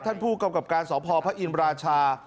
ท่านผู้กำกับการสพพระอินราชา